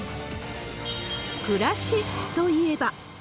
暮らしといえば。